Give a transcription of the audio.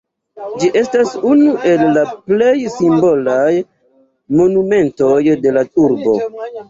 Ĝi estas unu el la plej simbolaj monumentoj de la urbo.